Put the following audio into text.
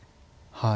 はい。